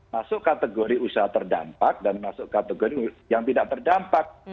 masuk kategori usaha terdampak dan masuk kategori yang tidak terdampak